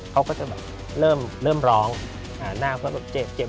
เขาก็ก็จะเริ่มร้องหน้าเจ็บ